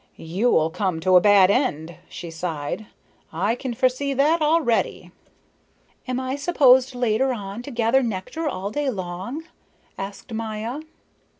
"You'll come to a bad end," she sighed. "I can foresee that already." "Am I supposed later on to gather nectar all day long?" asked Maya.